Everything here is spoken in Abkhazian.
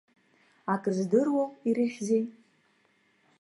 Акрыздыруоу, ирыхьзеи?!